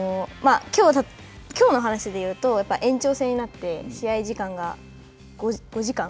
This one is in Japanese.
きょうの話でいうと延長戦になって、試合時間が５時間？